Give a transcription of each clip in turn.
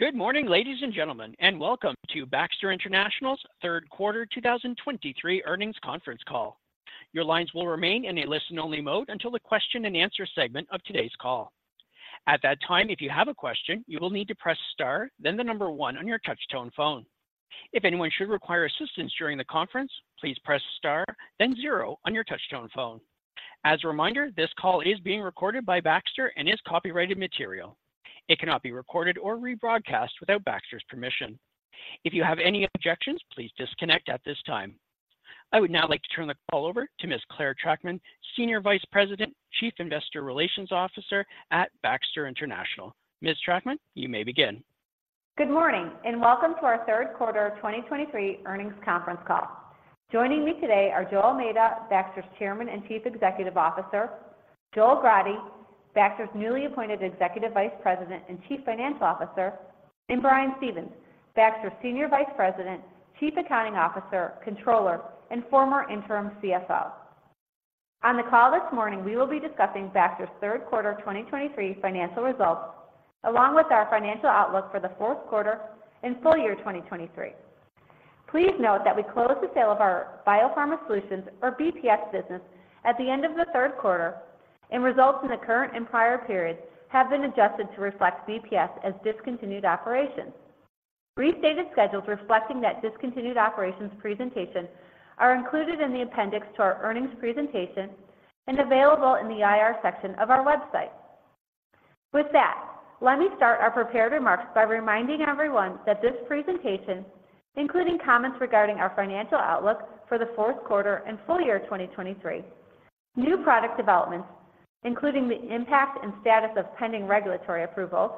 Good morning, ladies and gentlemen, and welcome to Baxter International's third quarter 2023 earnings conference call. Your lines will remain in a listen-only mode until the question-and-answer segment of today's call. At that time, if you have a question, you will need to press Star, then the number 1 on your touchtone phone. If anyone should require assistance during the conference, please press Star, then 0 on your touchtone phone. As a reminder, this call is being recorded by Baxter and is copyrighted material. It cannot be recorded or rebroadcast without Baxter's permission. If you have any objections, please disconnect at this time. I would now like to turn the call over to Ms. Clare Trachtman, Senior Vice President, Chief Investor Relations Officer at Baxter International. Ms. Trachtman, you may begin. Good morning, and welcome to our third quarter of 2023 earnings conference call. Joining me today are José Almeida, Baxter's Chairman and Chief Executive Officer; Joel Grade, Baxter's newly appointed Executive Vice President and Chief Financial Officer; and Brian Stevens, Baxter's Senior Vice President, Chief Accounting Officer, Controller, and former interim CFO. On the call this morning, we will be discussing Baxter's third quarter 2023 financial results, along with our financial outlook for the fourth quarter and full year 2023. Please note that we closed the sale of our BioPharma Solutions, or BPS, business at the end of the third quarter, and results in the current and prior periods have been adjusted to reflect BPS as discontinued operations. Restated schedules reflecting that discontinued operations presentation are included in the appendix to our earnings presentation and available in the IR section of our website. With that, let me start our prepared remarks by reminding everyone that this presentation, including comments regarding our financial outlook for the fourth quarter and full year 2023, new product developments, including the impact and status of pending regulatory approvals,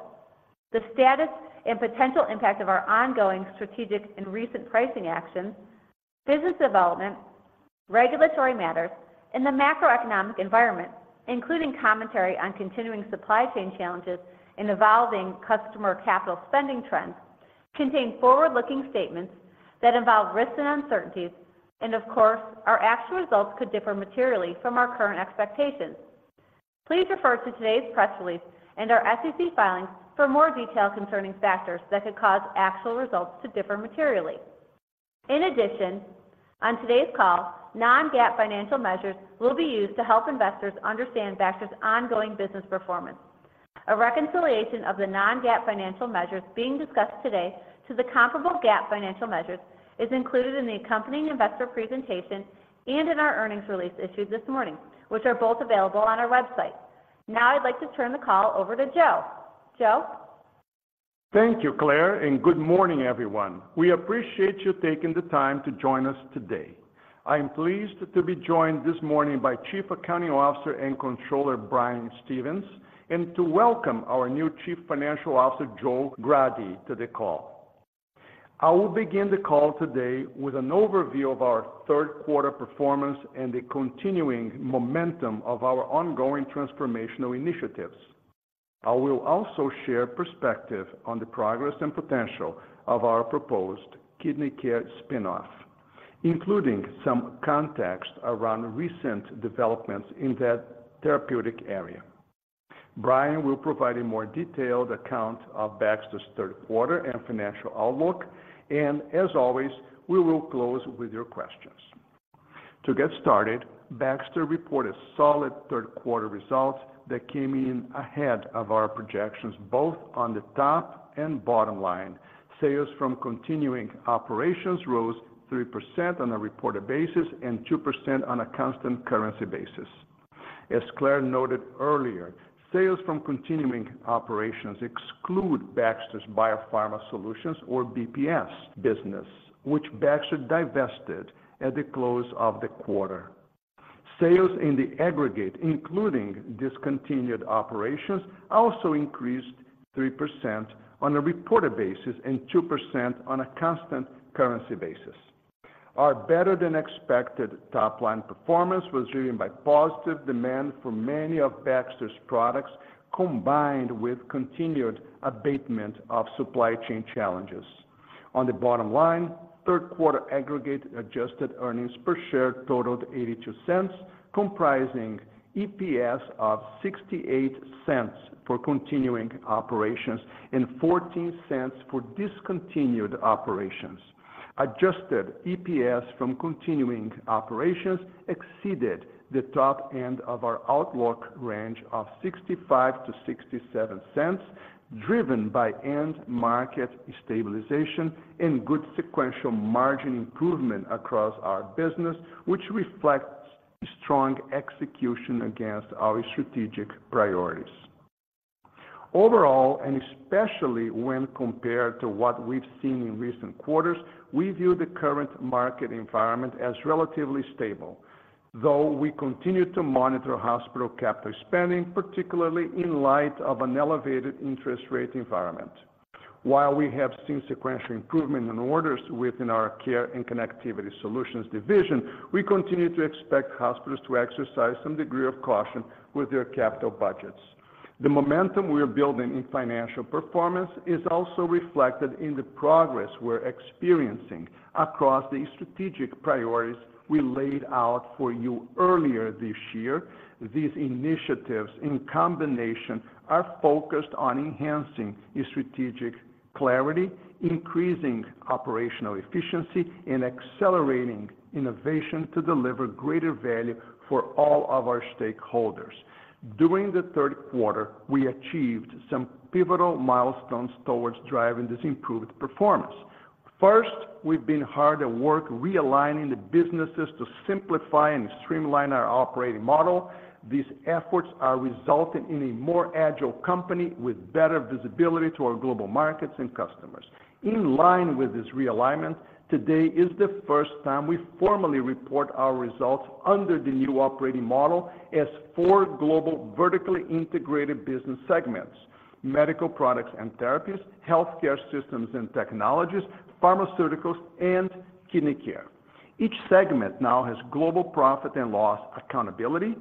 the status and potential impact of our ongoing strategic and recent pricing actions, business development, regulatory matters, and the macroeconomic environment, including commentary on continuing supply chain challenges and evolving customer capital spending trends, contain forward-looking statements that involve risks and uncertainties, and of course, our actual results could differ materially from our current expectations. Please refer to today's press release and our SEC filings for more details concerning factors that could cause actual results to differ materially. In addition, on today's call, non-GAAP financial measures will be used to help investors understand Baxter's ongoing business performance. A reconciliation of the Non-GAAP financial measures being discussed today to the comparable GAAP financial measures is included in the accompanying investor presentation and in our earnings release issued this morning, which are both available on our website. Now I'd like to turn the call over to Joe. Joe? Thank you, Clare, and good morning, everyone. We appreciate you taking the time to join us today. I am pleased to be joined this morning by Chief Accounting Officer and Controller, Brian Stevens, and to welcome our new Chief Financial Officer, Joel Grade, to the call. I will begin the call today with an overview of our third quarter performance and the continuing momentum of our ongoing transformational initiatives. I will also share perspective on the progress and potential of our proposed Kidney Care spin-off, including some context around recent developments in that therapeutic area. Brian will provide a more detailed account of Baxter's third quarter and financial outlook, and as always, we will close with your questions. To get started, Baxter reported solid third quarter results that came in ahead of our projections, both on the top and bottom line. Sales from continuing operations rose 3% on a reported basis and 2% on a Constant Currency basis. As Clare noted earlier, sales from continuing operations exclude Baxter's BioPharma Solutions, or BPS, business, which Baxter divested at the close of the quarter. Sales in the aggregate, including discontinued operations, also increased 3% on a reported basis and 2% on a Constant Currency basis. Our better-than-expected top-line performance was driven by positive demand for many of Baxter's products, combined with continued abatement of supply chain challenges. On the bottom line, third quarter aggregate adjusted earnings per share totaled $0.82, comprising EPS of $0.68 for continuing operations and $0.14 for discontinued operations. Adjusted EPS from continuing operations exceeded the top end of our outlook range of $0.65-$0.67, driven by end market stabilization and good sequential margin improvement across our business, which reflects strong execution against our strategic priorities. Overall, and especially when compared to what we've seen in recent quarters, we view the current market environment as relatively stable, though we continue to monitor hospital capital spending, particularly in light of an elevated interest rate environment. While we have seen sequential improvement in orders within our Care and Connectivity Solutions division, we continue to expect hospitals to exercise some degree of caution with their capital budgets.... The momentum we are building in financial performance is also reflected in the progress we're experiencing across the strategic priorities we laid out for you earlier this year. These initiatives in combination are focused on enhancing a strategic clarity, increasing operational efficiency, and accelerating innovation to deliver greater value for all of our stakeholders. During the third quarter, we achieved some pivotal milestones towards driving this improved performance. First, we've been hard at work realigning the businesses to simplify and streamline our operating model. These efforts are resulting in a more agile company with better visibility to our global markets and customers. In line with this realignment, today is the first time we formally report our results under the new operating model as four global, vertically integrated business segments: Medical Products and Therapies, Healthcare Systems and Technologies, Pharmaceuticals, and Kidney Care. Each segment now has global profit and loss accountability,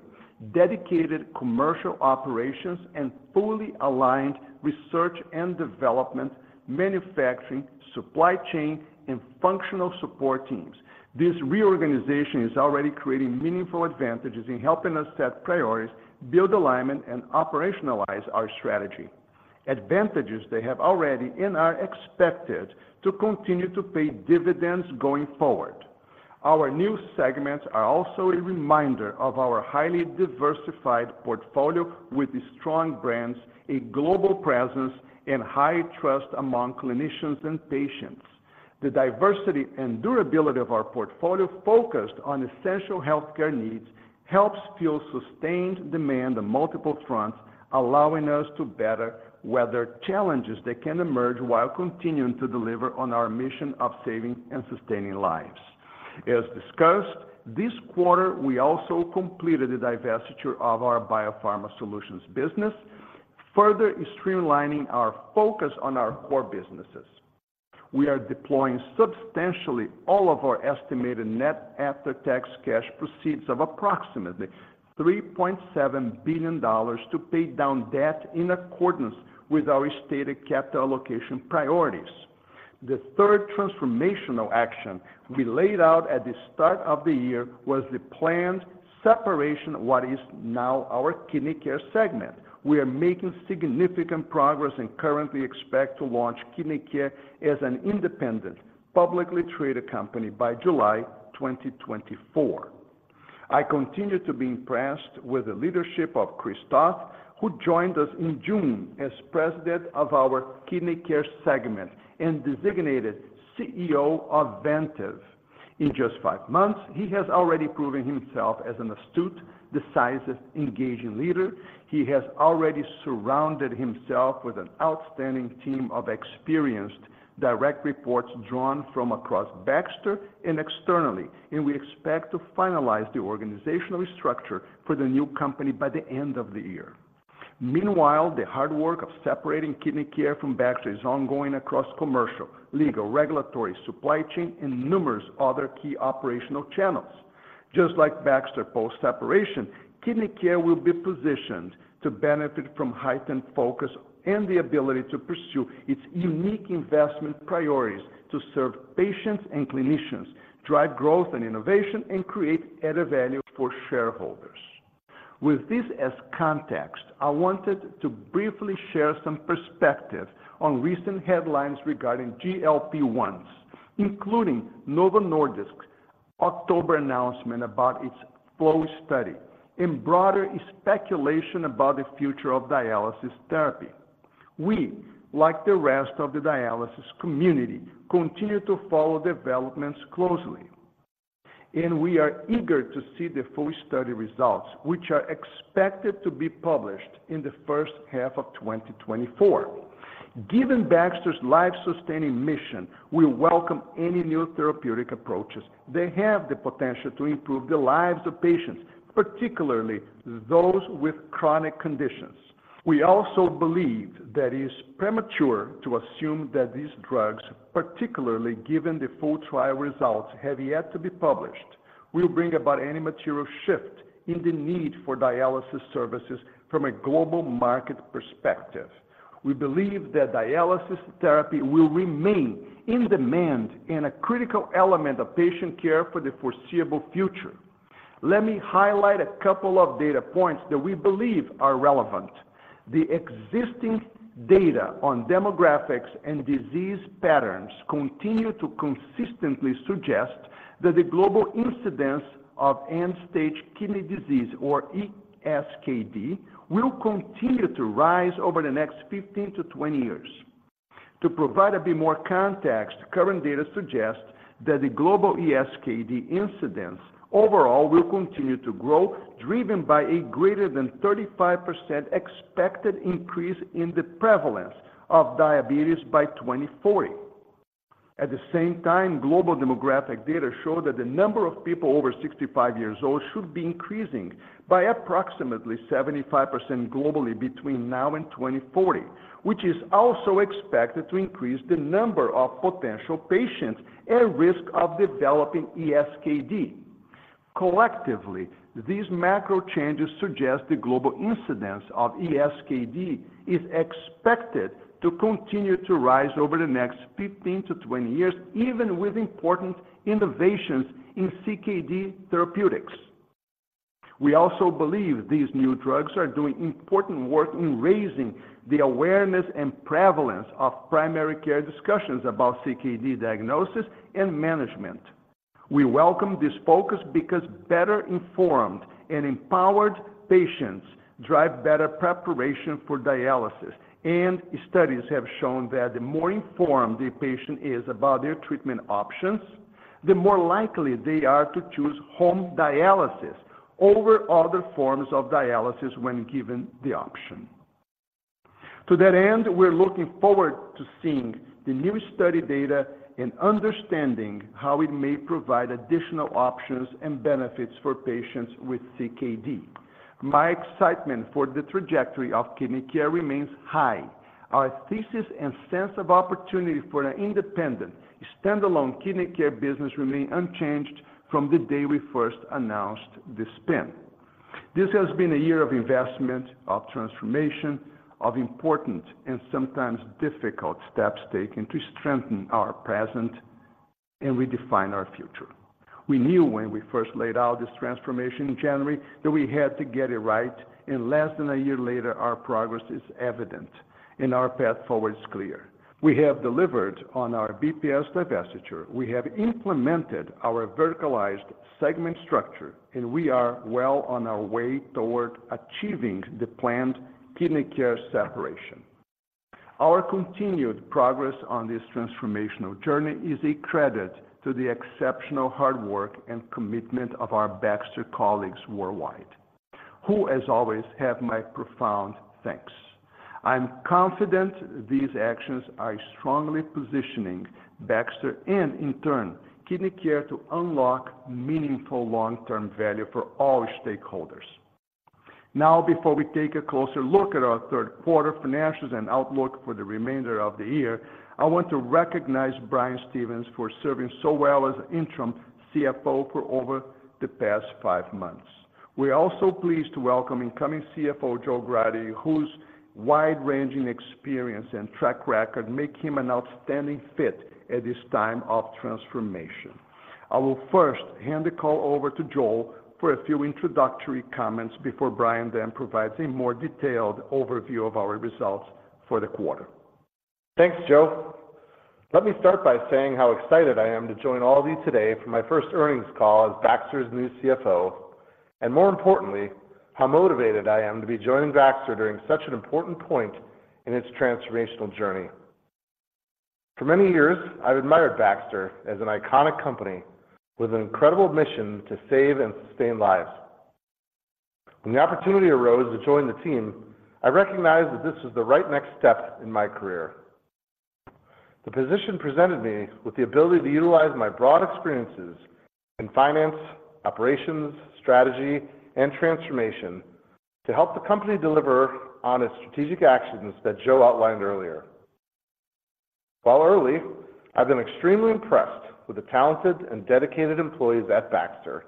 dedicated commercial operations, and fully aligned research and development, manufacturing, supply chain, and functional support teams. This reorganization is already creating meaningful advantages in helping us set priorities, build alignment, and operationalize our strategy. Advantages they have already and are expected to continue to pay dividends going forward. Our new segments are also a reminder of our highly diversified portfolio with strong brands, a global presence, and high trust among clinicians and patients. The diversity and durability of our portfolio, focused on essential healthcare needs, helps fuel sustained demand on multiple fronts, allowing us to better weather challenges that can emerge while continuing to deliver on our mission of saving and sustaining lives. As discussed, this quarter, we also completed the divestiture of our BioPharma Solutions business, further streamlining our focus on our core businesses. We are deploying substantially all of our estimated net after-tax cash proceeds of approximately $3.7 billion to pay down debt in accordance with our stated capital allocation priorities. The third transformational action we laid out at the start of the year was the planned separation of what is now our Kidney Care segment. We are making significant progress and currently expect to launch Kidney Care as an independent, publicly traded company by July 2024. I continue to be impressed with the leadership of Chris Toth, who joined us in June as president of our Kidney Care segment and designated CEO of Vantive. In just 5 months, he has already proven himself as an astute, decisive, engaging leader. He has already surrounded himself with an outstanding team of experienced direct reports drawn from across Baxter and externally, and we expect to finalize the organizational structure for the new company by the end of the year. Meanwhile, the hard work of separating Kidney Care from Baxter is ongoing across commercial, legal, regulatory, supply chain, and numerous other key operational channels. Just like Baxter post-separation, Kidney Care will be positioned to benefit from heightened focus and the ability to pursue its unique investment priorities to serve patients and clinicians, drive growth and innovation, and create added value for shareholders. With this as context, I wanted to briefly share some perspective on recent headlines regarding GLP-1s, including Novo Nordisk's October announcement about its FLOW study and broader speculation about the future of dialysis therapy. We, like the rest of the dialysis community, continue to follow developments closely, and we are eager to see the full study results, which are expected to be published in the first half of 2024. Given Baxter's life-sustaining mission, we welcome any new therapeutic approaches that have the potential to improve the lives of patients, particularly those with chronic conditions. We also believe that it's premature to assume that these drugs, particularly given the full trial results, have yet to be published, will bring about any material shift in the need for dialysis services from a global market perspective. We believe that dialysis therapy will remain in demand and a critical element of patient care for the foreseeable future. Let me highlight a couple of data points that we believe are relevant. The existing data on demographics and disease patterns continue to consistently suggest that the global incidence of end-stage kidney disease, or ESKD, will continue to rise over the next 15-20 years. To provide a bit more context, current data suggest that the global ESKD incidence overall will continue to grow, driven by a greater than 35% expected increase in the prevalence of diabetes by 2040. At the same time, global demographic data show that the number of people over 65 years old should be increasing by approximately 75% globally between now and 2040, which is also expected to increase the number of potential patients at risk of developing ESKD.... Collectively, these macro changes suggest the global incidence of ESKD is expected to continue to rise over the next 15-20 years, even with important innovations in CKD therapeutics. We also believe these new drugs are doing important work in raising the awareness and prevalence of primary care discussions about CKD diagnosis and management. We welcome this focus because better-informed and empowered patients drive better preparation for dialysis, and studies have shown that the more informed the patient is about their treatment options, the more likely they are to choose home dialysis over other forms of dialysis when given the option. To that end, we're looking forward to seeing the new study data and understanding how it may provide additional options and benefits for patients with CKD. My excitement for the trajectory of Kidney Care remains high. Our thesis and sense of opportunity for an independent, standalone Kidney Care business remain unchanged from the day we first announced the spin. This has been a year of investment, of transformation, of important and sometimes difficult steps taken to strengthen our present and redefine our future. We knew when we first laid out this transformation in January, that we had to get it right, and less than a year later, our progress is evident and our path forward is clear. We have delivered on our BPS divestiture. We have implemented our verticalized segment structure, and we are well on our way toward achieving the planned Kidney Care separation. Our continued progress on this transformational journey is a credit to the exceptional hard work and commitment of our Baxter colleagues worldwide, who, as always, have my profound thanks. I'm confident these actions are strongly positioning Baxter and, in turn, Kidney Care to unlock meaningful long-term value for all stakeholders. Now, before we take a closer look at our third quarter financials and outlook for the remainder of the year, I want to recognize Brian Stevens for serving so well as interim CFO for over the past five months. We are also pleased to welcome incoming CFO, Joel Grade, whose wide-ranging experience and track record make him an outstanding fit at this time of transformation. I will first hand the call over to Joel for a few introductory comments before Brian then provides a more detailed overview of our results for the quarter. Thanks, Joe. Let me start by saying how excited I am to join all of you today for my first earnings call as Baxter's new CFO, and more importantly, how motivated I am to be joining Baxter during such an important point in its transformational journey. For many years, I've admired Baxter as an iconic company with an incredible mission to save and sustain lives. When the opportunity arose to join the team, I recognized that this was the right next step in my career. The position presented me with the ability to utilize my broad experiences in finance, operations, strategy, and transformation to help the company deliver on its strategic actions that Joe outlined earlier. While early, I've been extremely impressed with the talented and dedicated employees at Baxter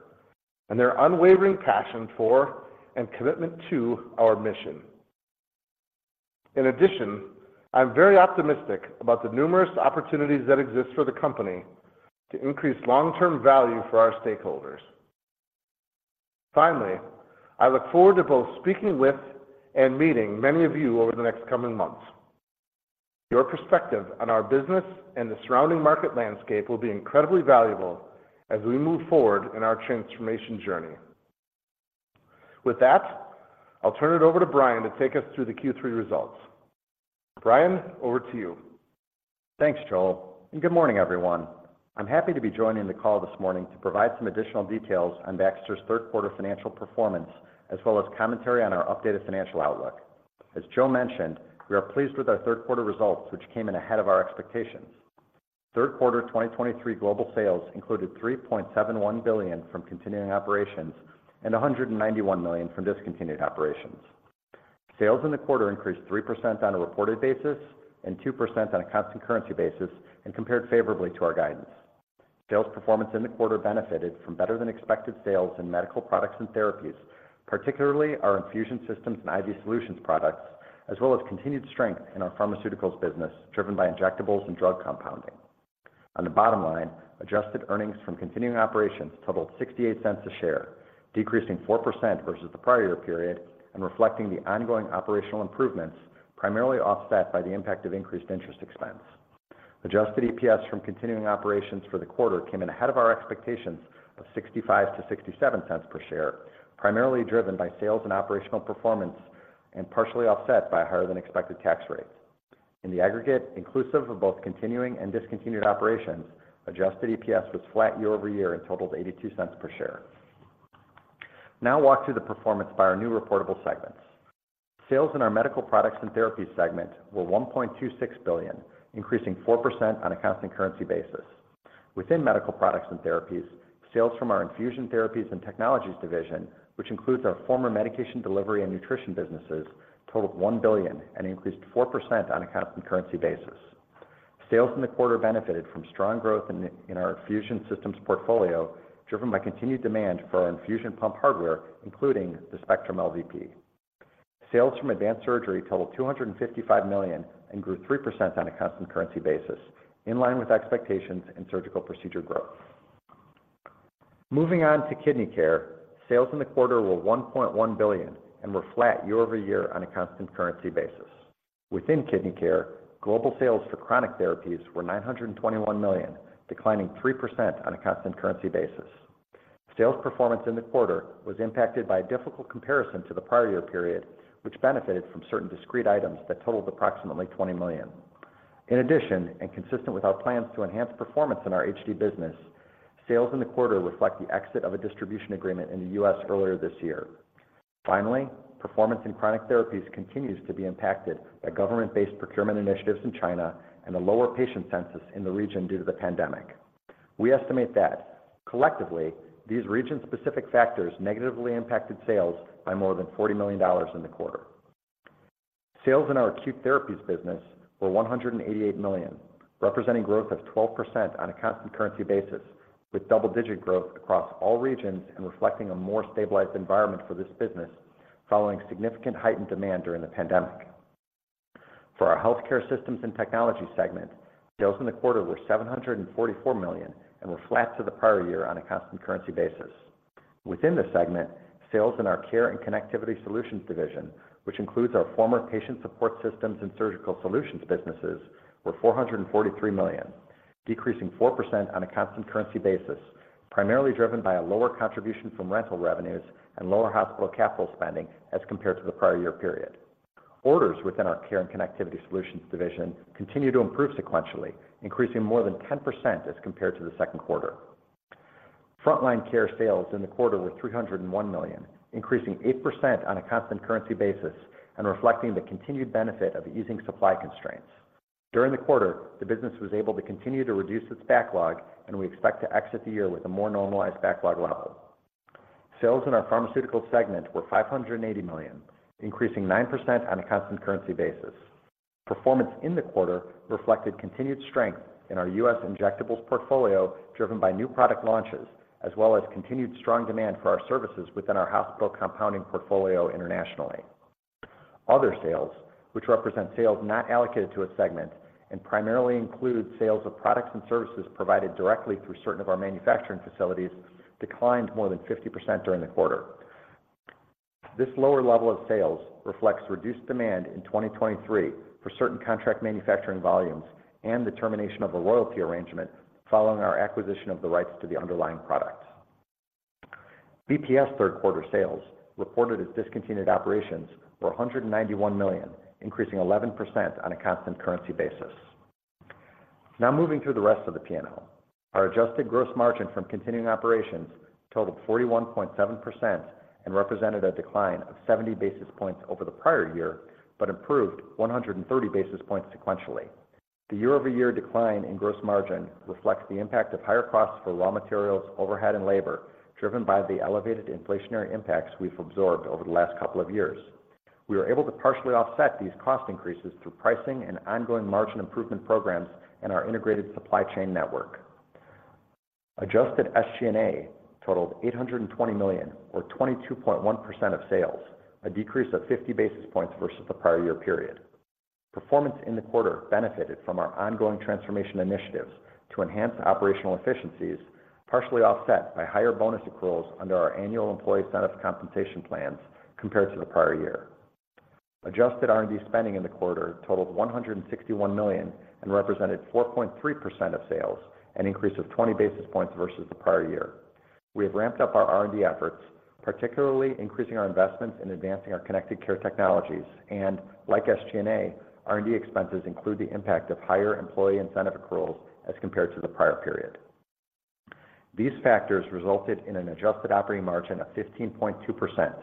and their unwavering passion for and commitment to our mission. In addition, I'm very optimistic about the numerous opportunities that exist for the company to increase long-term value for our stakeholders. Finally, I look forward to both speaking with and meeting many of you over the next coming months. Your perspective on our business and the surrounding market landscape will be incredibly valuable as we move forward in our transformation journey. With that, I'll turn it over to Brian to take us through the Q3 results. Brian, over to you. Thanks, Joel, and good morning, everyone. I'm happy to be joining the call this morning to provide some additional details on Baxter's third quarter financial performance, as well as commentary on our updated financial outlook. As Joe mentioned, we are pleased with our third quarter results, which came in ahead of our expectations. Third quarter 2023 global sales included $3.71 billion from continuing operations and $191 million from discontinued operations. Sales in the quarter increased 3% on a reported basis and 2% on a constant currency basis and compared favorably to our guidance. Sales performance in the quarter benefited from better-than-expected sales in medical products and therapies, particularly our infusion systems and IV solutions products, as well as continued strength in our pharmaceuticals business, driven by injectables and drug compounding. On the bottom line, adjusted earnings from continuing operations totaled $0.68 per share, decreasing 4% versus the prior year period and reflecting the ongoing operational improvements, primarily offset by the impact of increased interest expense. Adjusted EPS from continuing operations for the quarter came in ahead of our expectations of $0.65-$0.67 per share, primarily driven by sales and operational performance and partially offset by higher-than-expected tax rates. In the aggregate, inclusive of both continuing and discontinued operations, adjusted EPS was flat year-over-year and totaled $0.82 per share. Now I'll walk through the performance by our new reportable segments. Sales in our Medical Products and Therapies segment were $1.26 billion, increasing 4% on a constant currency basis. Within Medical Products and Therapies, sales from our Infusion Therapies and Technologies division, which includes our former Medication Delivery and Nutrition businesses, totaled $1 billion and increased 4% on a constant currency basis. Sales in the quarter benefited from strong growth in our infusion systems portfolio, driven by continued demand for our infusion pump hardware, including the Spectrum LVP. Sales from Advanced Surgery totaled $255 million and grew 3% on a constant currency basis, in line with expectations and surgical procedure growth. Moving on to Kidney Care, sales in the quarter were $1.1 billion and were flat year over year on a constant currency basis. Within Kidney Care, global sales for Chronic Therapies were $921 million, declining 3% on a constant currency basis. Sales performance in the quarter was impacted by a difficult comparison to the prior year period, which benefited from certain discrete items that totaled approximately $20 million. In addition, and consistent with our plans to enhance performance in our HD business, sales in the quarter reflect the exit of a distribution agreement in the U.S. earlier this year. Finally, performance in Chronic Therapies continues to be impacted by government-based procurement initiatives in China and a lower patient census in the region due to the pandemic. We estimate that collectively, these region-specific factors negatively impacted sales by more than $40 million in the quarter. Sales in our Acute Therapies business were $188 million, representing growth of 12% on a constant currency basis, with double-digit growth across all regions and reflecting a more stabilized environment for this business following significant heightened demand during the pandemic. For our Healthcare Systems and Technologies segment, sales in the quarter were $744 million and were flat to the prior year on a constant currency basis. Within the segment, sales in our Care and Connectivity Solutions division, which includes our former Patient Support Systems and Surgical Solutions businesses, were $443 million, decreasing 4% on a constant currency basis, primarily driven by a lower contribution from rental revenues and lower hospital capital spending as compared to the prior year period. Orders within our Care and Connectivity Solutions division continue to improve sequentially, increasing more than 10% as compared to the second quarter. Frontline Care sales in the quarter were $301 million, increasing 8% on a constant currency basis and reflecting the continued benefit of easing supply constraints. During the quarter, the business was able to continue to reduce its backlog, and we expect to exit the year with a more normalized backlog level. Sales in our Pharmaceuticals segment were $580 million, increasing 9% on a constant currency basis. Performance in the quarter reflected continued strength in our U.S. injectables portfolio, driven by new product launches, as well as continued strong demand for our services within our hospital compounding portfolio internationally. Other sales, which represent sales not allocated to a segment and primarily include sales of products and services provided directly through certain of our manufacturing facilities, declined more than 50% during the quarter. This lower level of sales reflects reduced demand in 2023 for certain contract manufacturing volumes and the termination of a loyalty arrangement following our acquisition of the rights to the underlying products. BPS third quarter sales, reported as discontinued operations, were $191 million, increasing 11% on a constant currency basis. Now moving through the rest of the P&L. Our adjusted gross margin from continuing operations totaled 41.7% and represented a decline of 70 basis points over the prior year, but improved 130 basis points sequentially. The year-over-year decline in gross margin reflects the impact of higher costs for raw materials, overhead, and labor, driven by the elevated inflationary impacts we've absorbed over the last couple of years. We were able to partially offset these cost increases through pricing and ongoing margin improvement programs in our integrated supply chain network. Adjusted SG&A totaled $820 million, or 22.1% of sales, a decrease of 50 basis points versus the prior year period. Performance in the quarter benefited from our ongoing transformation initiatives to enhance operational efficiencies, partially offset by higher bonus accruals under our annual employee incentive compensation plans compared to the prior year. Adjusted R&D spending in the quarter totaled $161 million and represented 4.3% of sales, an increase of 20 basis points versus the prior year. We have ramped up our R&D efforts, particularly increasing our investments in advancing our connected care technologies, and like SG&A, R&D expenses include the impact of higher employee incentive accruals as compared to the prior period. These factors resulted in an adjusted operating margin of 15.2%,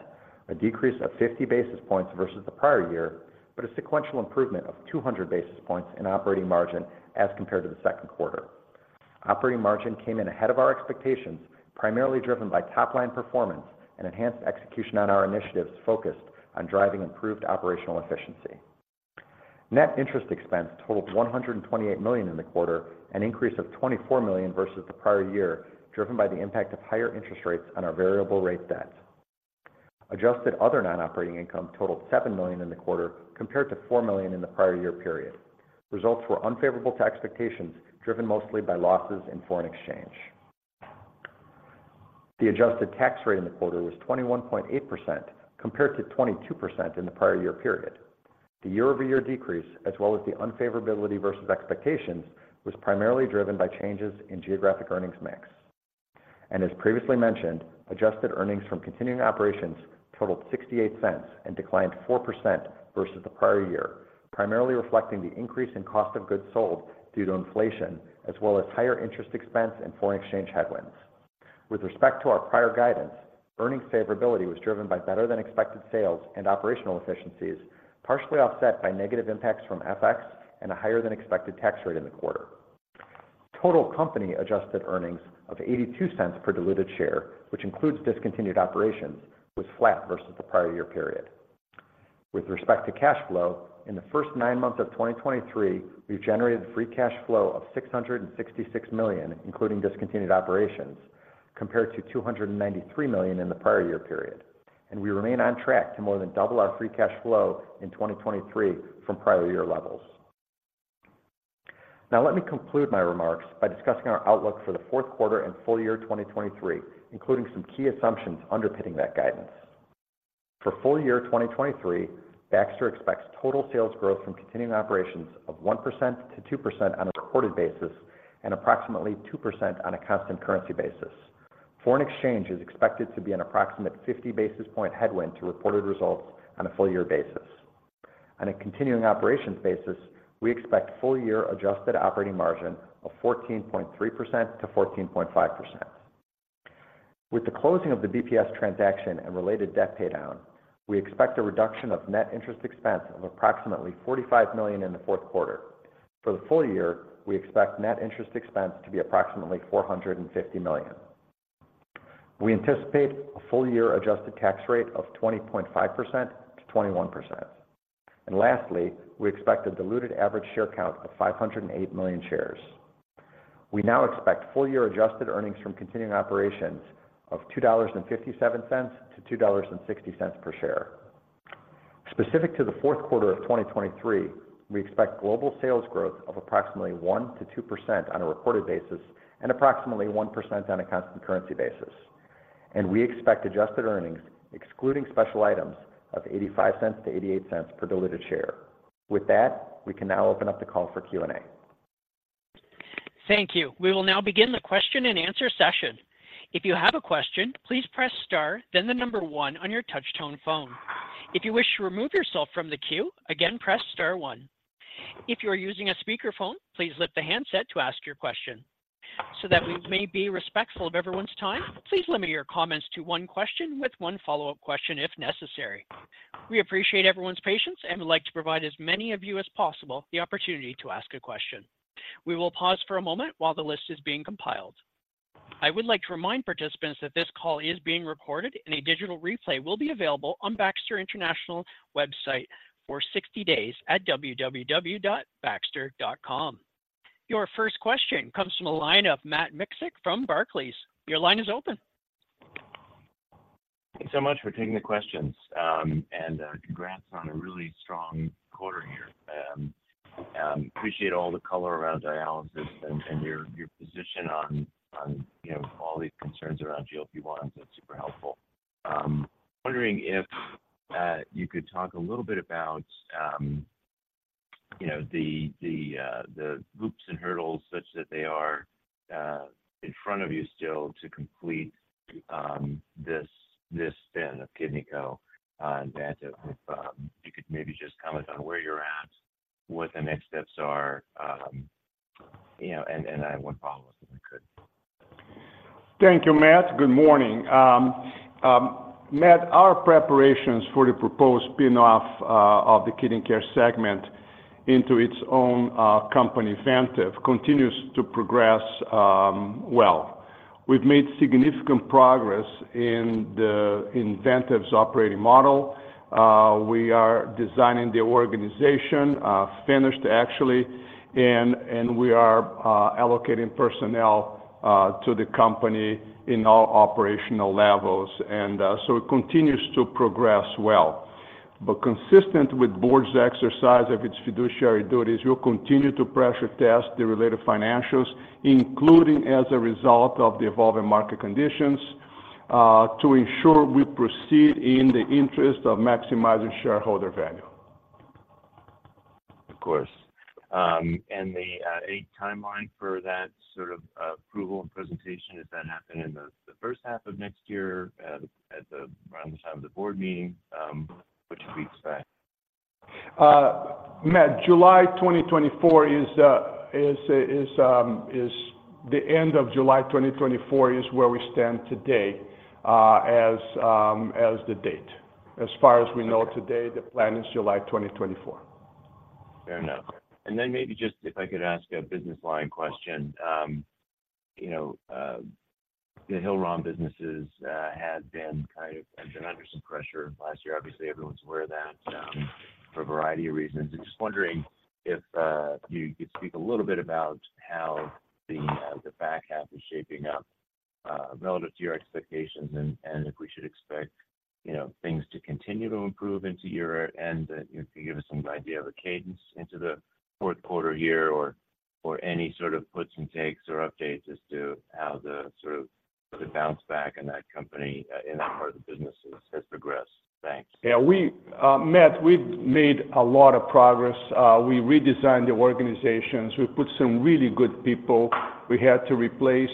a decrease of 50 basis points versus the prior year, but a sequential improvement of 200 basis points in operating margin as compared to the second quarter. Operating margin came in ahead of our expectations, primarily driven by top-line performance and enhanced execution on our initiatives focused on driving improved operational efficiency. Net interest expense totaled $128 million in the quarter, an increase of $24 million versus the prior year, driven by the impact of higher interest rates on our variable rate debt. Adjusted other non-operating income totaled $7 million in the quarter, compared to $4 million in the prior year period. Results were unfavorable to expectations, driven mostly by losses in foreign exchange. The adjusted tax rate in the quarter was 21.8%, compared to 22% in the prior year period. The year-over-year decrease, as well as the unfavorability versus expectations, was primarily driven by changes in geographic earnings mix. As previously mentioned, adjusted earnings from continuing operations totaled $0.68 and declined 4% versus the prior year, primarily reflecting the increase in cost of goods sold due to inflation, as well as higher interest expense and foreign exchange headwinds. With respect to our prior guidance, earnings favorability was driven by better-than-expected sales and operational efficiencies, partially offset by negative impacts from FX and a higher-than-expected tax rate in the quarter. Total company adjusted earnings of $0.82 per diluted share, which includes discontinued operations, was flat versus the prior year period. With respect to cash flow, in the first nine months of 2023, we've generated free cash flow of $666 million, including discontinued operations, compared to $293 million in the prior year period. We remain on track to more than double our free cash flow in 2023 from prior year levels. Now, let me conclude my remarks by discussing our outlook for the fourth quarter and full year 2023, including some key assumptions underpinning that guidance. For full year 2023, Baxter expects total sales growth from continuing operations of 1%-2% on a reported basis and approximately 2% on a constant currency basis. Foreign exchange is expected to be an approximate 50 basis points headwind to reported results on a full year basis. On a continuing operations basis, we expect full year adjusted operating margin of 14.3%-14.5%. With the closing of the BPS transaction and related debt paydown, we expect a reduction of net interest expense of approximately $45 million in the fourth quarter. For the full year, we expect net interest expense to be approximately $450 million. We anticipate a full year adjusted tax rate of 20.5%-21%. Lastly, we expect a diluted average share count of 508 million shares. We now expect full year adjusted earnings from continuing operations of $2.57-$2.60 per share. Specific to the fourth quarter of 2023, we expect global sales growth of approximately 1%-2% on a reported basis and approximately 1% on a constant currency basis. We expect adjusted earnings, excluding special items, of $0.85-$0.88 per diluted share. With that, we can now open up the call for Q&A. Thank you. We will now begin the question and answer session. If you have a question, please press star, then the number one on your touch tone phone. If you wish to remove yourself from the queue, again, press star one. If you are using a speakerphone, please lift the handset to ask your question. So that we may be respectful of everyone's time, please limit your comments to one question with one follow-up question, if necessary. We appreciate everyone's patience, and would like to provide as many of you as possible the opportunity to ask a question. We will pause for a moment while the list is being compiled. I would like to remind participants that this call is being recorded, and a digital replay will be available on Baxter International website for 60 days at www.baxter.com. Your first question comes from the line of Matt Miksic from Barclays. Your line is open. Thanks so much for taking the questions, and congrats on a really strong quarter here. Appreciate all the color around dialysis and your position on, you know, all these concerns around GLP-1. That's super helpful. Wondering if you could talk a little bit about, you know, the hoops and hurdles such that they are in front of you still to complete this spin of Kidney Care, Vantive, if you could maybe just comment on where you're at, what the next steps are, you know, and I have one follow-up if I could. Thank you, Matt. Good morning. Matt, our preparations for the proposed spin-off of the Kidney Care segment into its own company, Vantive, continues to progress well. We've made significant progress in the Vantive's operating model. We are designing the organization, finished, actually, and, and we are allocating personnel to the company in all operational levels, and so it continues to progress well. But consistent with board's exercise of its fiduciary duties, we'll continue to pressure test the related financials, including as a result of the evolving market conditions, to ensure we proceed in the interest of maximizing shareholder value. Of course. And a timeline for that sort of approval and presentation, does that happen in the first half of next year, at around the time of the board meeting? What should we expect? Matt, July 2024 is the end of July 2024 where we stand today, as the date. As far as we know today, the plan is July 2024. Fair enough. Then maybe just if I could ask a business line question. You know, the Hillrom businesses have been kind of under some pressure last year. Obviously, everyone's aware of that, for a variety of reasons. I'm just wondering if you could speak a little bit about how the back half is shaping up, relative to your expectations, and if we should expect, you know, things to continue to improve into year end, if you give us some idea of a cadence into the fourth quarter year or any sort of puts and takes or updates as to how the sort of the bounce back in that company in that part of the businesses has progressed. Thanks. Yeah, we, Matt, we've made a lot of progress. We redesigned the organizations. We put some really good people. We had to replace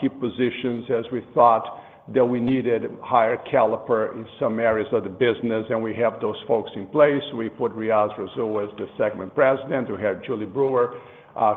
key positions as we thought that we needed higher caliber in some areas of the business, and we have those folks in place. We put Reaz Rasul as the segment president, we had Julie Brewer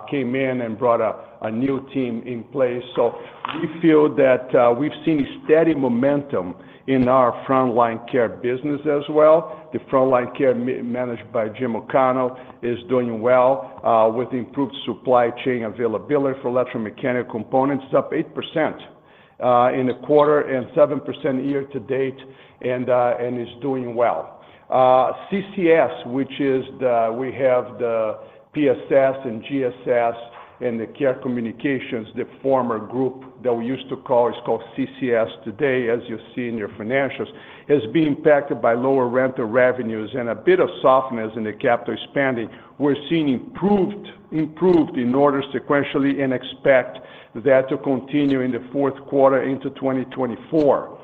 came in and brought a new team in place. So we feel that we've seen steady momentum in our Frontline Care business as well. The Frontline Care managed by Jim O'Connell is doing well with improved supply chain availability for electromechanical components, up 8% in the quarter and 7% year to date, and is doing well. CCS, which is the, we have the PSS and GSS, and the Care Communications, the former group that we used to call, it's called CCS today, as you see in your financials, has been impacted by lower rental revenues and a bit of softness in the capital spending. We're seeing improved, improved in order sequentially and expect that to continue in the fourth quarter into 2024.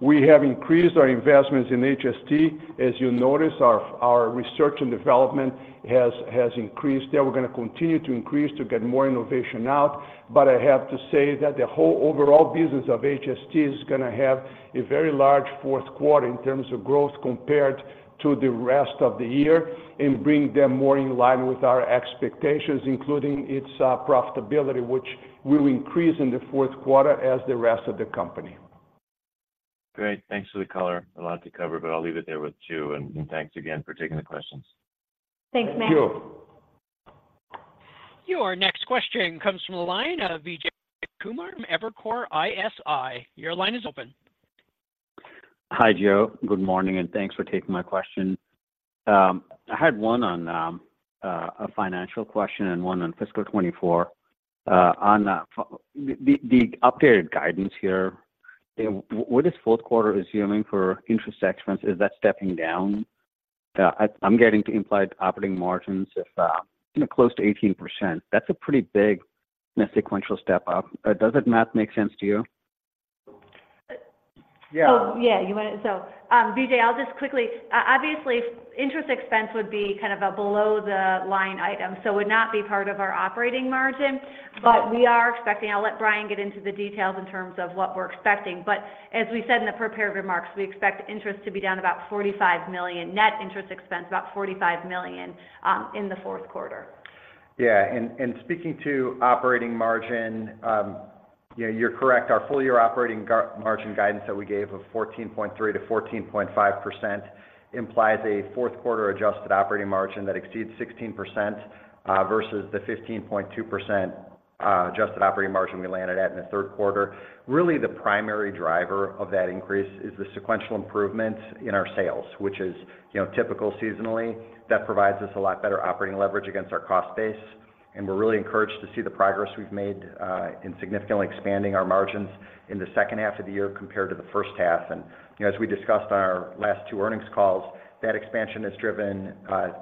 We have increased our investments in HST. As you notice, our, our research and development has, has increased there. We're going to continue to increase to get more innovation out, but I have to say that the whole overall business of HST is going to have a very large fourth quarter in terms of growth compared to the rest of the year, and bring them more in line with our expectations, including its, profitability, which will increase in the fourth quarter as the rest of the company. Great. Thanks for the color. A lot to cover, but I'll leave it there with you, and thanks again for taking the questions. Thanks, Matt. Thank you. Your next question comes from the line of Vijay Kumar from Evercore ISI. Your line is open. Hi, Joe. Good morning, and thanks for taking my question. I had one on a financial question and one on fiscal 2024. On the updated guidance here, what is fourth quarter assuming for interest expense? Is that stepping down? I'm getting to implied operating margins, if you know, close to 18%. That's a pretty big sequential step up. Does that math make sense to you? Yeah. Oh, yeah, you want it. So, Vijay, I'll just quickly - obviously, interest expense would be kind of a below the line item, so would not be part of our operating margin. Okay. But we are expecting. I'll let Brian get into the details in terms of what we're expecting, but as we said in the prepared remarks, we expect interest to be down about $45 million, net interest expense about $45 million in the fourth quarter. Yeah. And speaking to operating margin, yeah, you're correct. Our full-year operating margin guidance that we gave of 14.3%-14.5% implies a fourth quarter adjusted operating margin that exceeds 16%, versus the 15.2% adjusted operating margin we landed at in the third quarter. Really, the primary driver of that increase is the sequential improvement in our sales, which is, you know, typical seasonally. That provides us a lot better operating leverage against our cost base, and we're really encouraged to see the progress we've made in significantly expanding our margins in the second half of the year compared to the first half. And, you know, as we discussed on our last two earnings calls, that expansion is driven,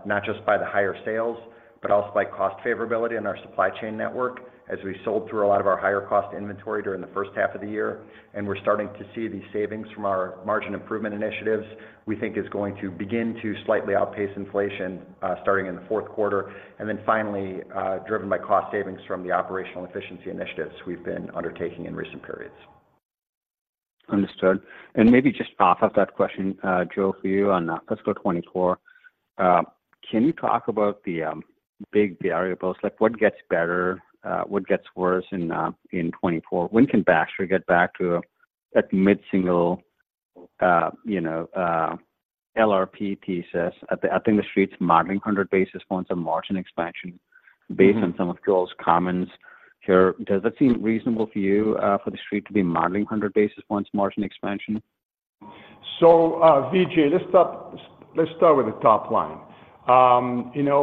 not just by the higher sales, but also by cost favorability in our supply chain network, as we sold through a lot of our higher cost inventory during the first half of the year, and we're starting to see these savings from our margin improvement initiatives. We think is going to begin to slightly outpace inflation, starting in the fourth quarter, and then finally, driven by cost savings from the operational efficiency initiatives we've been undertaking in recent periods. Understood. Maybe just off of that question, Joe, for you on fiscal 2024, can you talk about the big variables? Like, what gets better, what gets worse in 2024? When can Baxter get back to that mid-single, you know, LRP thesis? I think the street's modeling 100 basis points on margin expansion- Mm-hmm. -based on some of Joel's comments here. Does that seem reasonable for you, for the street to be modeling 100 basis points margin expansion? So, Vijay, let's start with the top line. You know,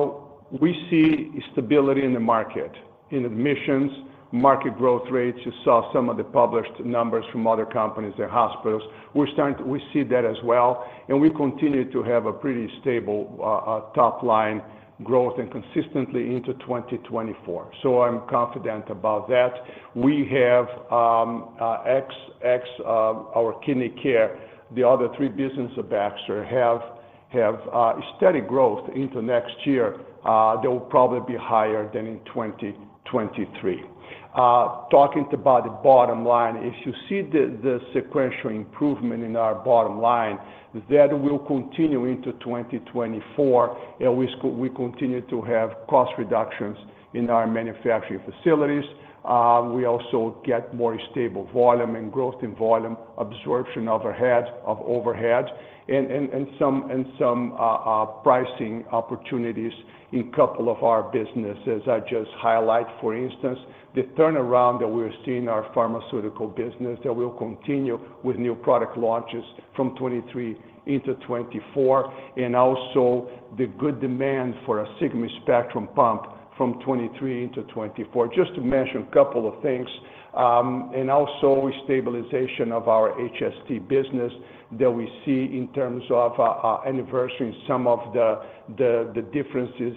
we see stability in the market, in admissions, market growth rates. You saw some of the published numbers from other companies and hospitals. We see that as well, and we continue to have a pretty stable top line growth and consistently into 2024. So I'm confident about that. We have, excluding our Kidney Care, the other three business of Baxter have steady growth into next year. They will probably be higher than in 2023. Talking about the bottom line, if you see the sequential improvement in our bottom line, that will continue into 2024, and we continue to have cost reductions in our manufacturing facilities. We also get more stable volume and growth in volume, absorption of overhead, and some pricing opportunities in a couple of our businesses. I just highlight, for instance, the turnaround that we're seeing in our pharmaceutical business, that will continue with new product launches from 2023 into 2024, and also the good demand for a Spectrum pump from 2023 into 2024, just to mention a couple of things. And also a stabilization of our HST business that we see in terms of anniversarying some of the differences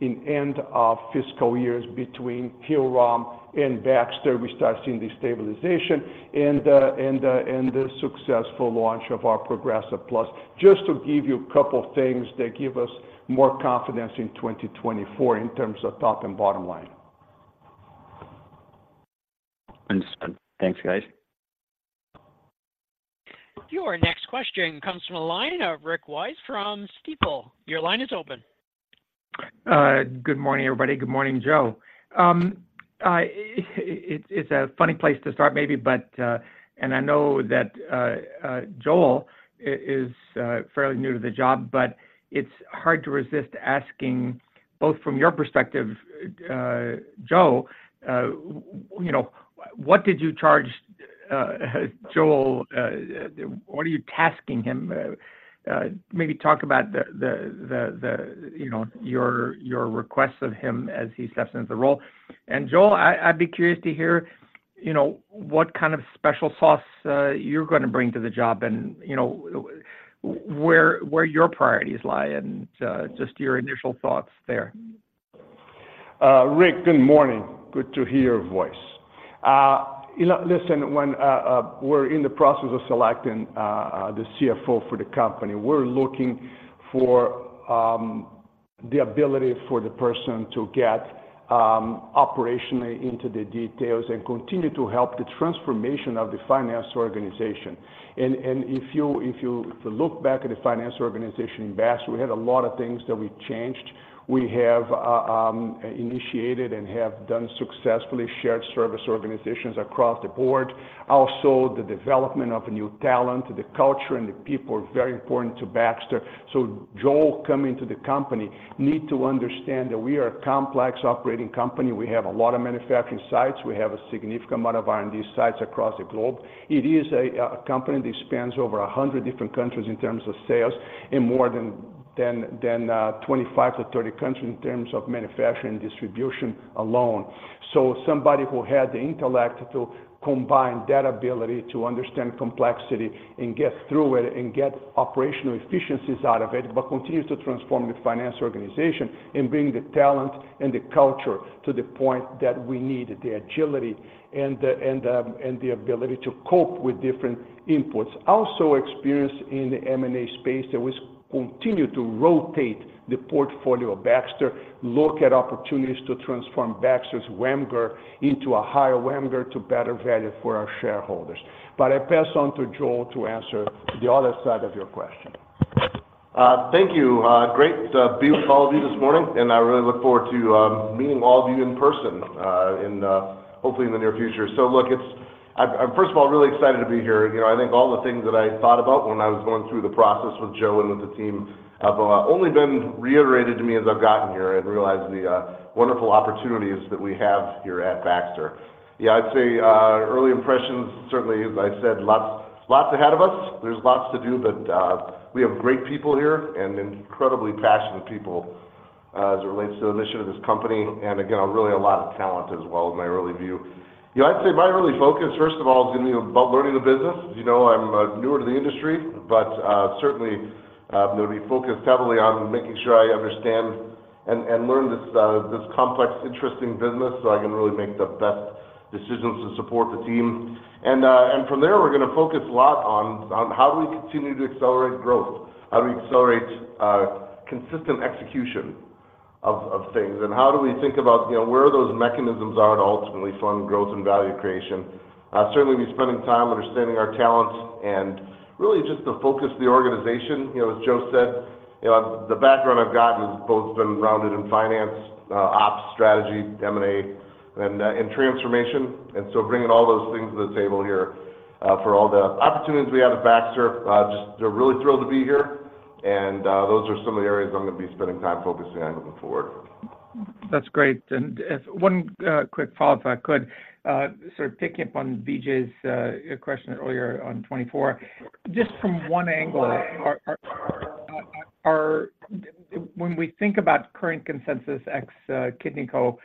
in end of fiscal years between Hillrom and Baxter, we start seeing the stabilization and the successful launch of our Progressa+. Just to give you a couple of things that give us more confidence in 2024 in terms of top and bottom line. Understood. Thanks, guys. Your next question comes from the line of Rick Wise from Stifel. Your line is open. Good morning, everybody. Good morning, Joe. It's a funny place to start, maybe, but and I know that Joel is fairly new to the job, but it's hard to resist asking both from your perspective, Joe, you know, what did you charge, Joel? What are you tasking him? Maybe talk about the, you know, your requests of him as he steps into the role. And Joel, I'd be curious to hear, you know, what kind of special sauce you're gonna bring to the job, and you know, where your priorities lie, and just your initial thoughts there. Rick, good morning. Good to hear your voice. You know, listen, when we're in the process of selecting the CFO for the company, we're looking for the ability for the person to get operationally into the details and continue to help the transformation of the finance organization. And if you look back at the finance organization in Baxter, we had a lot of things that we changed. We have initiated and have done successfully shared service organizations across the board. Also, the development of a new talent, the culture and the people are very important to Baxter. So Joel, coming to the company, need to understand that we are a complex operating company. We have a lot of manufacturing sites, we have a significant amount of R&D sites across the globe. It is a company that spans over 100 different countries in terms of sales, and more than 25-30 countries in terms of manufacturing and distribution alone. So somebody who had the intellect to combine that ability to understand complexity and get through it, and get operational efficiencies out of it, but continues to transform the finance organization and bring the talent and the culture to the point that we need the agility and the ability to cope with different inputs. Also, experience in the M&A space, that we continue to rotate the portfolio of Baxter, look at opportunities to transform Baxter's WAMGR into a higher WAMGR to better value for our shareholders. But I pass on to Joel to answer the other side of your question. Thank you. Great to be with all of you this morning, and I really look forward to meeting all of you in person, hopefully in the near future. So look, it's. I'm first of all, really excited to be here. You know, I think all the things that I thought about when I was going through the process with Joe and with the team have only been reiterated to me as I've gotten here and realized the wonderful opportunities that we have here at Baxter. Yeah, I'd say early impressions, certainly, as I said, lots, lots ahead of us. There's lots to do, but we have great people here and incredibly passionate people as it relates to the mission of this company, and again, really a lot of talent as well, in my early view. Yeah, I'd say my early focus, first of all, is gonna be about learning the business. You know, I'm newer to the industry, but certainly I'm gonna be focused heavily on making sure I understand and learn this complex, interesting business, so I can really make the best decisions to support the team. And from there, we're gonna focus a lot on how do we continue to accelerate growth? How do we accelerate consistent execution of things? And how do we think about, you know, where those mechanisms are to ultimately fund growth and value creation? Certainly be spending time understanding our talents and really just to focus the organization. You know, as Joe said, you know, the background I've gotten has both been rounded in finance, ops, strategy, M&A, and transformation. And so bringing all those things to the table here, for all the opportunities we have at Baxter, just really thrilled to be here. And, those are some of the areas I'm gonna be spending time focusing on moving forward. That's great. As one quick follow-up, if I could, sort of picking up on BJ's question earlier on 24. Just from one angle, when we think about current consensus ex KidneyCo,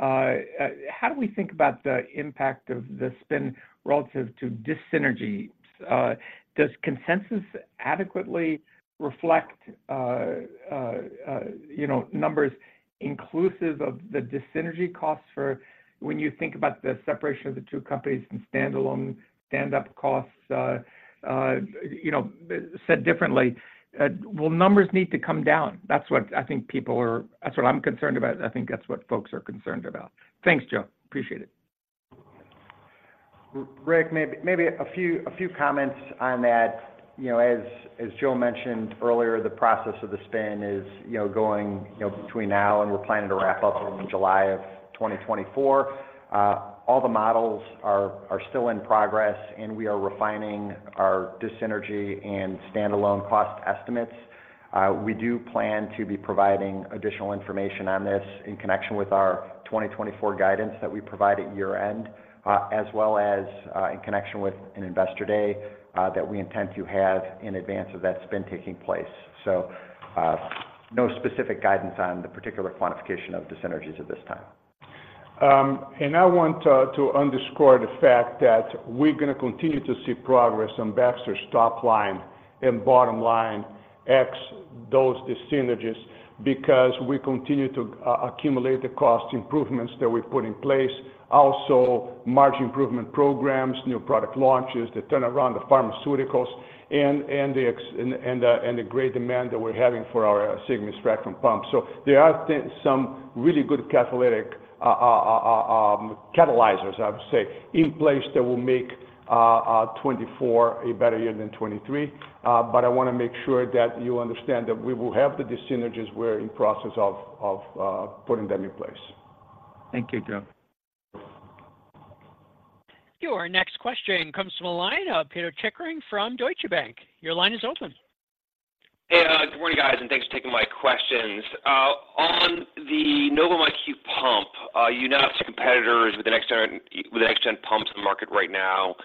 how do we think about the impact of the spin relative to dyssynergies? Does consensus adequately reflect, you know, numbers inclusive of the dyssynergy costs for when you think about the separation of the two companies and standalone stand-up costs, you know, said differently, will numbers need to come down? That's what I think people are concerned about. That's what I'm concerned about, and I think that's what folks are concerned about. Thanks, Joe. Appreciate it. Rick, maybe a few comments on that. You know, as Joe mentioned earlier, the process of the spin is, you know, going, you know, between now and we're planning to wrap up in July 2024. All the models are still in progress, and we are refining our dis-synergy and standalone cost estimates. We do plan to be providing additional information on this in connection with our 2024 guidance that we provide at year-end, as well as in connection with an Investor Day that we intend to have in advance of that spin taking place. So, no specific guidance on the particular quantification of dis-synergies at this time. And I want to underscore the fact that we're gonna continue to see progress on Baxter's top line and bottom line, ex those dyssynergies, because we continue to accumulate the cost improvements that we've put in place. Also, margin improvement programs, new product launches, the turnaround of pharmaceuticals, and the great demand that we're having for our Sigma Spectrum pumps. So there are then some really good catalytic catalyzers, I would say, in place that will make 2024 a better year than 2023. But I wanna make sure that you understand that we will have the dyssynergies, we're in process of putting them in place. Thank you, Joe.... Our next question comes from the line of Pito Chickering from Deutsche Bank. Your line is open. Hey, good morning, guys, and thanks for taking my questions. On the Novum IQ pump, you now have two competitors with the next gen, with the next gen pumps in the market right now,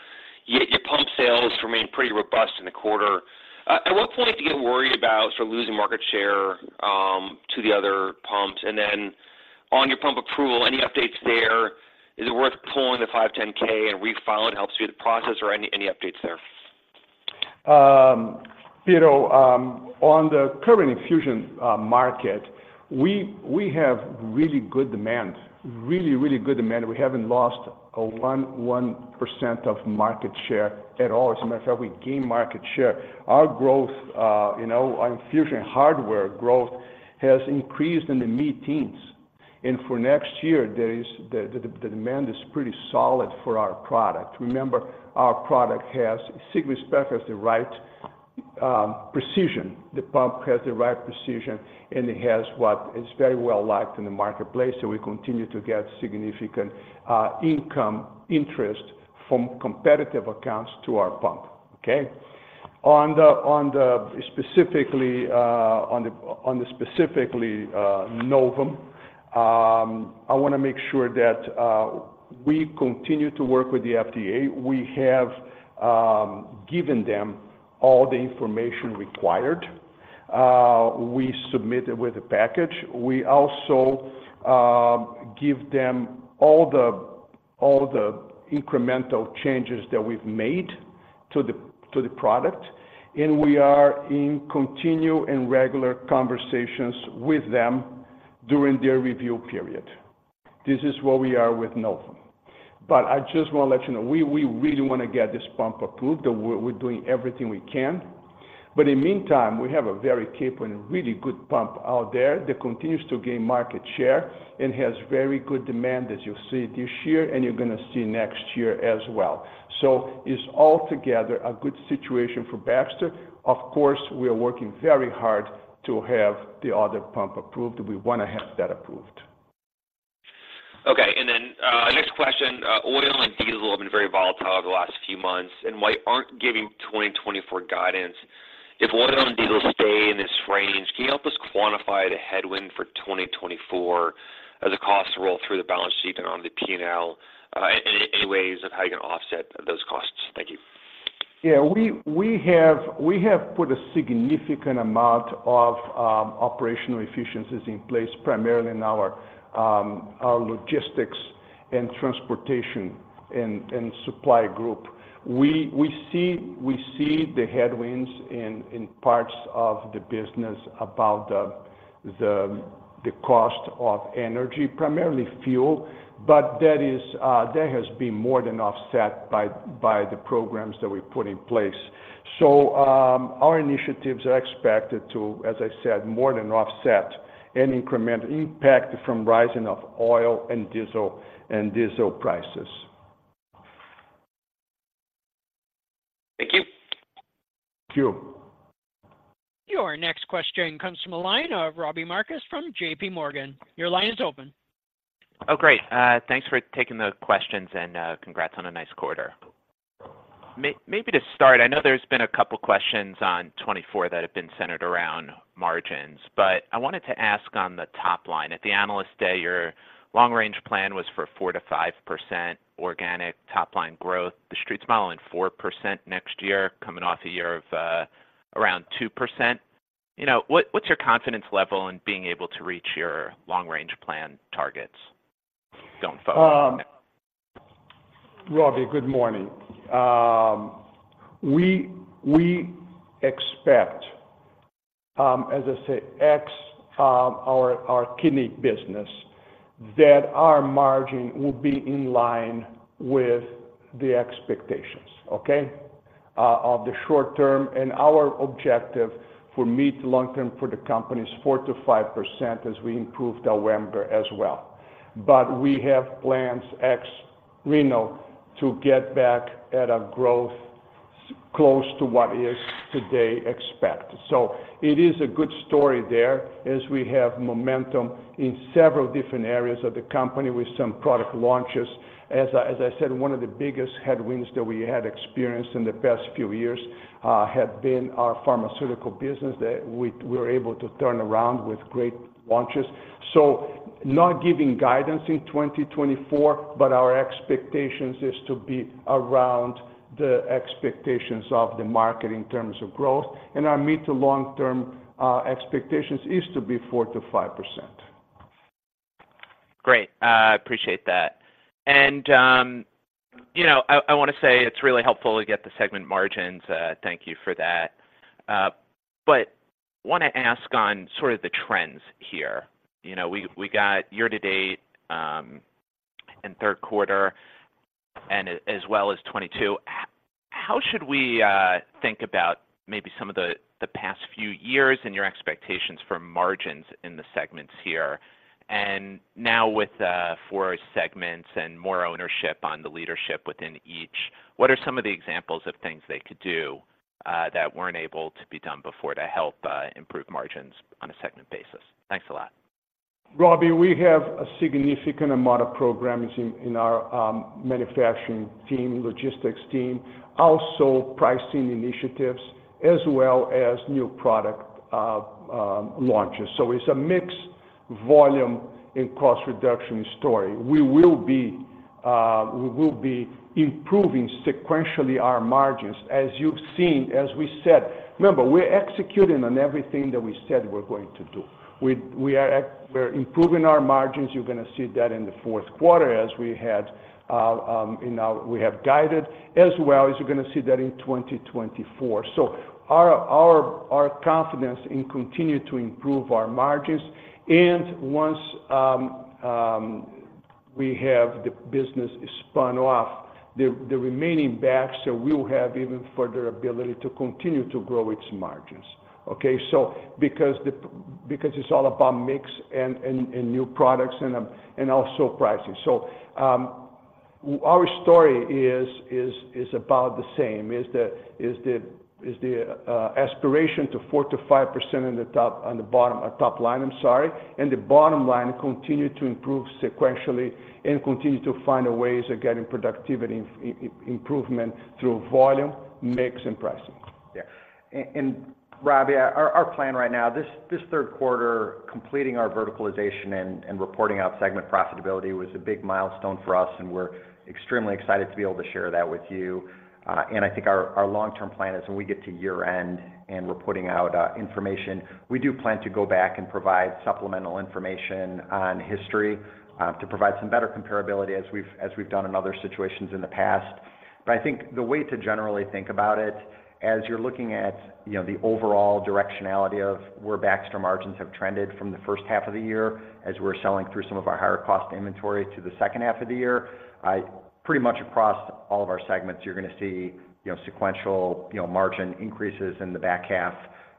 yet your pump sales remain pretty robust in the quarter. At what point do you get worried about sort of losing market share to the other pumps? And then on your pump approval, any updates there? Is it worth pulling the 510(k) and refiling helps you with the process or any, any updates there? Peter, on the current infusion market, we have really good demand. Really, really good demand. We haven't lost 1% of market share at all. As a matter of fact, we gain market share. Our growth, you know, on infusion hardware growth has increased in the mid-teens, and for next year, the demand is pretty solid for our product. Remember, our product has significantly the right precision. The pump has the right precision, and it has what is very well liked in the marketplace. So we continue to get significant income interest from competitive accounts to our pump. Okay. On the specifically Novo, I want to make sure that we continue to work with the FDA. We have given them all the information required, we submitted with the package. We also give them all the incremental changes that we've made to the product, and we are in continued and regular conversations with them during their review period. This is where we are with Novo. But I just want to let you know, we really want to get this pump approved, and we're doing everything we can. But in the meantime, we have a very capable and really good pump out there that continues to gain market share and has very good demand, as you'll see this year, and you're going to see next year as well. So it's altogether a good situation for Baxter. Of course, we are working very hard to have the other pump approved. We want to have that approved. Okay, and then next question. Oil and diesel have been very volatile over the last few months, and why aren't giving 2024 guidance? If oil and diesel stay in this range, can you help us quantify the headwind for 2024 as the costs roll through the balance sheet and on the P&L, any ways of how you can offset those costs? Thank you. Yeah, we have put a significant amount of operational efficiencies in place, primarily in our logistics and transportation and supply group. We see the headwinds in parts of the business about the cost of energy, primarily fuel, but that has been more than offset by the programs that we've put in place. So, our initiatives are expected to, as I said, more than offset any incremental impact from rising oil and diesel prices. Thank you. Thank you. Your next question comes from a line of Robbie Marcus from JPMorgan. Your line is open. Oh, great. Thanks for taking the questions, and congrats on a nice quarter. Maybe to start, I know there's been a couple questions on 2024 that have been centered around margins, but I wanted to ask on the top line. At the Analyst Day, your long range plan was for 4%-5% organic top line growth. The Street's modeling 4% next year, coming off a year of around 2%. You know, what's your confidence level in being able to reach your long range plan targets? Don't phone it in. Robbie, good morning. We, we expect, as I say, ex our, our kidney business, that our margin will be in line with the expectations, okay, of the short term, and our objective for mid to long term for the company is 4%-5% as we improve numerator as well. But we have plans ex renal to get back at a growth close to what is today expected. So it is a good story there, as we have momentum in several different areas of the company with some product launches. As I, as I said, one of the biggest headwinds that we had experienced in the past few years, had been our pharmaceutical business, that we, we were able to turn around with great launches. So not giving guidance in 2024, but our expectations is to be around the expectations of the market in terms of growth, and our mid- to long-term expectations is to be 4%-5%. Great. I appreciate that. And, you know, I want to say it's really helpful to get the segment margins. Thank you for that. But want to ask on sort of the trends here. You know, we got year to date, and third quarter and as well as 22. How should we think about maybe some of the past few years and your expectations for margins in the segments here? And now with four segments and more ownership on the leadership within each, what are some of the examples of things they could do that weren't able to be done before to help improve margins on a segment basis? Thanks a lot.... Robbie, we have a significant amount of programming in our manufacturing team, logistics team, also pricing initiatives, as well as new product launches. So it's a mixed volume and cost reduction story. We will be improving sequentially our margins, as you've seen, as we said. Remember, we're executing on everything that we said we're going to do. We are improving our margins. You're gonna see that in the fourth quarter as we had, we have guided, as well as you're gonna see that in 2024. So our confidence in continue to improve our margins, and once we have the business spun off, the remaining Baxter will have even further ability to continue to grow its margins. Okay, so because it's all about mix and new products and also pricing. So, our story is about the same, aspiration to 4%-5% in the top on the bottom... top line, I'm sorry, and the bottom line continue to improve sequentially and continue to find ways of getting productivity improvement through volume, mix, and pricing. Yeah. And Robbie, our plan right now, this third quarter, completing our verticalization and reporting out segment profitability was a big milestone for us, and we're extremely excited to be able to share that with you. And I think our long-term plan is when we get to year-end and we're putting out information, we do plan to go back and provide supplemental information on history to provide some better comparability as we've done in other situations in the past. But I think the way to generally think about it, as you're looking at, you know, the overall directionality of where Baxter margins have trended from the first half of the year, as we're selling through some of our higher cost inventory to the second half of the year, pretty much across all of our segments, you're gonna see, you know, sequential, you know, margin increases in the back half,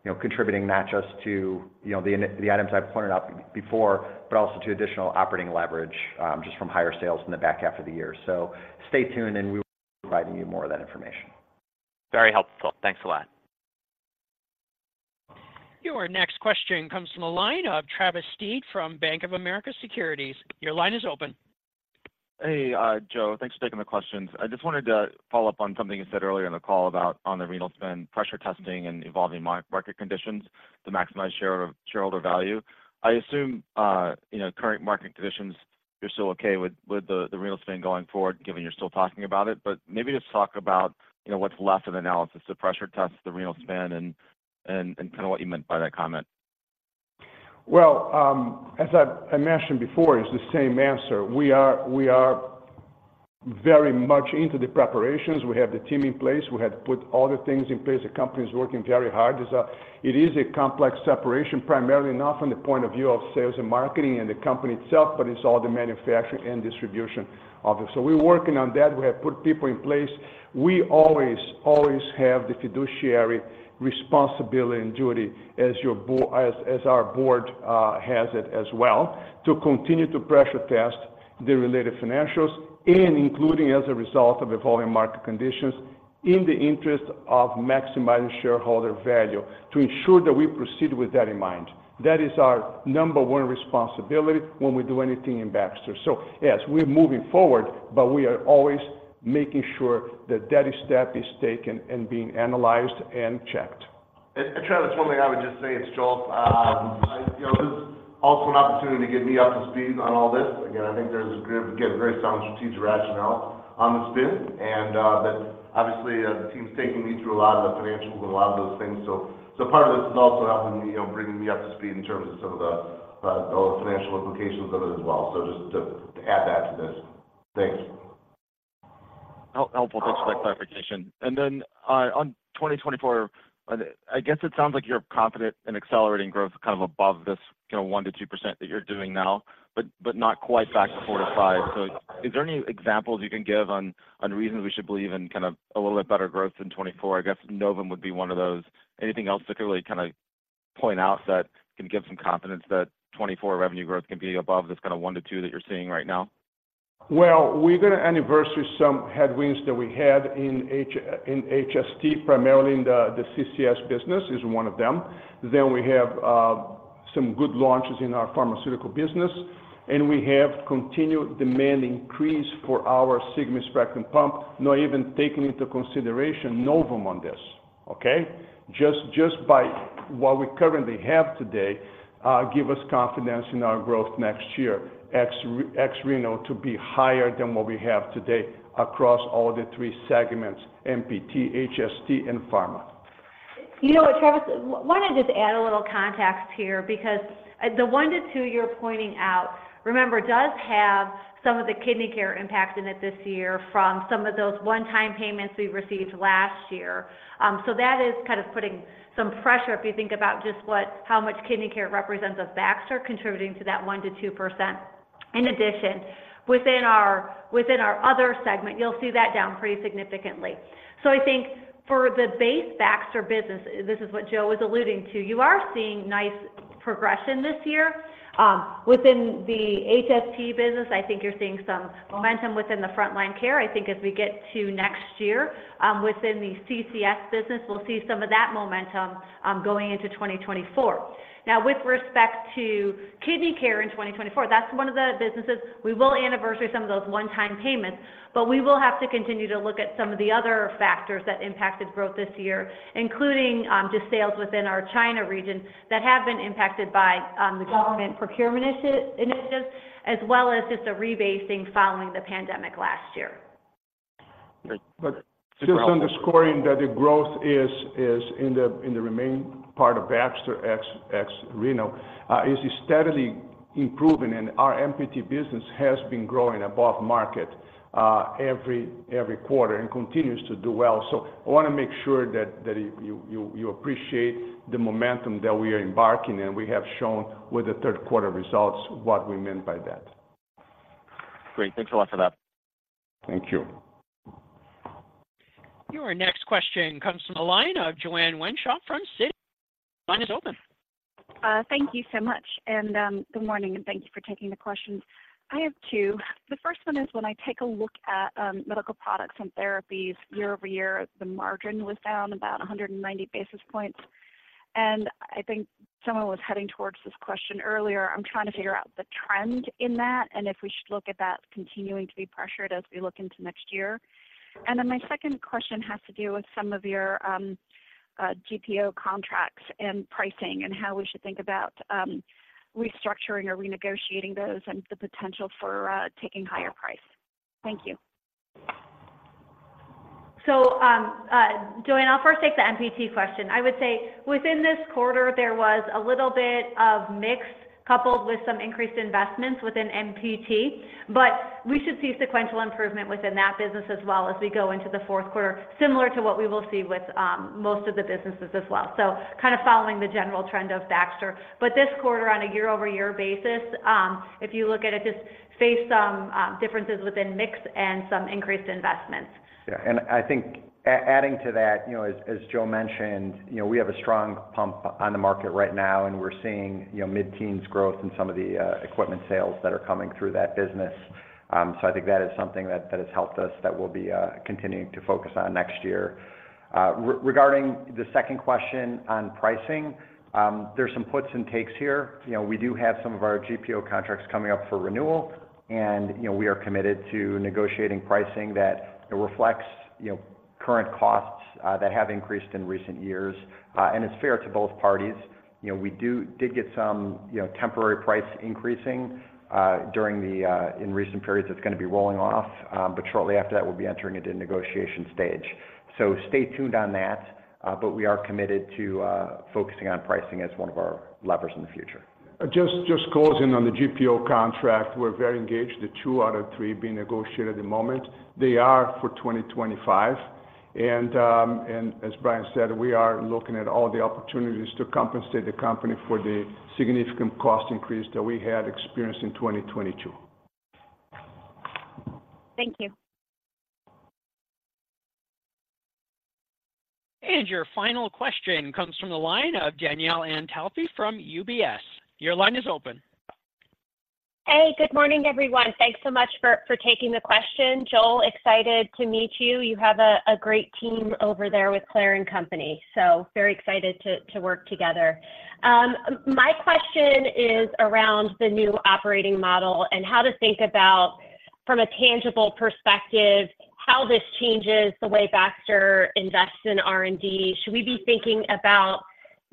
you know, contributing not just to, you know, the items I pointed out before, but also to additional operating leverage, just from higher sales in the back half of the year. So stay tuned, and we will be providing you more of that information. Very helpful. Thanks a lot. Your next question comes from the line of Travis Steed from Bank of America Securities. Your line is open. Hey, Joe, thanks for taking the questions. I just wanted to follow up on something you said earlier in the call about on the renal spin, pressure testing and evolving market conditions to maximize shareholder value. I assume, you know, current market conditions, you're still okay with the renal spin going forward, given you're still talking about it. But maybe just talk about, you know, what's left of analysis to pressure test the renal spin and kind of what you meant by that comment. Well, as I mentioned before, it's the same answer. We are very much into the preparations. We have the team in place. We have put all the things in place. The company is working very hard. It is a complex separation, primarily not from the point of view of sales and marketing and the company itself, but it's all the manufacturing and distribution of it. So we're working on that. We have put people in place. We always have the fiduciary responsibility and duty as our board has it as well, to continue to pressure test the related financials and including, as a result of evolving market conditions, in the interest of maximizing shareholder value, to ensure that we proceed with that in mind. That is our number one responsibility when we do anything in Baxter. So yes, we're moving forward, but we are always making sure that that step is taken and being analyzed and checked. Travis, one thing I would just say, it's Joel. You know, this is also an opportunity to get me up to speed on all this. Again, I think there's a very, again, a very sound strategic rationale on the spin, and, but obviously, the team's taking me through a lot of the financials and a lot of those things. So, so part of this is also helping me, you know, bringing me up to speed in terms of some of the, the financial implications of it as well. So just to add that to this. Thanks. Helpful. Thanks for that clarification. And then, on 2024, I guess it sounds like you're confident in accelerating growth kind of above this, you know, 1%-2% that you're doing now, but not quite back to 4%-5%. So is there any examples you can give on reasons we should believe in kind of a little bit better growth in 2024? I guess Novum would be one of those. Anything else that could really kind of point out that can give some confidence that 2024 revenue growth can be above this kind of 1%-2% that you're seeing right now? Well, we're gonna anniversary some headwinds that we had in HST, primarily in the CCS business is one of them. Then we have some good launches in our pharmaceutical business, and we have continued demand increase for our Sigma Spectrum pump, not even taking into consideration Novum on this, okay? Just, just by what we currently have today, give us confidence in our growth next year, ex Renal, to be higher than what we have today across all the three segments, MPT, HST, and Pharma. You know what, Travis? Wanna just add a little context here, because the 1-2 you're pointing out, remember, does have some of the Kidney Care impact in it this year from some of those one-time payments we received last year. So that is kind of putting some pressure, if you think about just how much Kidney Care represents of Baxter contributing to that 1%-2%.... In addition, within our other segment, you'll see that down pretty significantly. So I think for the base Baxter business, this is what Joel was alluding to, you are seeing nice progression this year. Within the HST business, I think you're seeing some momentum within the Frontline Care. I think as we get to next year, within the CCS business, we'll see some of that momentum going into 2024. Now, with respect to Kidney Care in 2024, that's one of the businesses we will anniversary some of those one-time payments, but we will have to continue to look at some of the other factors that impacted growth this year, including just sales within our China region that have been impacted by the government procurement initiatives, as well as just a rebasing following the pandemic last year. But just underscoring that the growth is in the remaining part of Baxter ex-renal is steadily improving, and our MPT business has been growing above market every quarter and continues to do well. So I want to make sure that you appreciate the momentum that we are embarking on, and we have shown with the third quarter results what we meant by that. Great. Thanks a lot for that. Thank you. Your next question comes from the line of Joanne Wuensch from Citi. Your line is open. Thank you so much, and good morning, and thank you for taking the questions. I have two. The first one is, when I take a look at Medical Products and Therapies year-over-year, the margin was down about 190 basis points. I think someone was heading towards this question earlier. I'm trying to figure out the trend in that, and if we should look at that continuing to be pressured as we look into next year. Then my second question has to do with some of your GPO contracts and pricing, and how we should think about restructuring or renegotiating those, and the potential for taking higher price. Thank you. So, Joanne, I'll first take the MPT question. I would say within this quarter, there was a little bit of mix, coupled with some increased investments within MPT, but we should see sequential improvement within that business as well as we go into the fourth quarter, similar to what we will see with most of the businesses as well. So kind of following the general trend of Baxter. But this quarter, on a year-over-year basis, if you look at it, just face some differences within mix and some increased investments. Yeah. And I think adding to that, you know, as Joel mentioned, you know, we have a strong pump on the market right now, and we're seeing, you know, mid-teens growth in some of the equipment sales that are coming through that business. So I think that is something that has helped us that we'll be continuing to focus on next year. Regarding the second question on pricing, there's some puts and takes here. You know, we do have some of our GPO contracts coming up for renewal, and, you know, we are committed to negotiating pricing that reflects, you know, current costs that have increased in recent years, and it's fair to both parties. You know, we did get some, you know, temporary price increasing during the... In recent periods, that's going to be rolling off, but shortly after that, we'll be entering into negotiation stage. So stay tuned on that, but we are committed to focusing on pricing as one of our levers in the future. Just closing on the GPO contract. We're very engaged, the two out of three being negotiated at the moment. They are for 2025, and as Brian said, we are looking at all the opportunities to compensate the company for the significant cost increase that we had experienced in 2022. Thank you. Your final question comes from the line of Danielle Antalffy from UBS. Your line is open. Hey, good morning, everyone. Thanks so much for taking the question. Joel, excited to meet you. You have a great team over there with Clare and company, so very excited to work together. My question is around the new operating model and how to think about, from a tangible perspective, how this changes the way Baxter invests in R&D. Should we be thinking about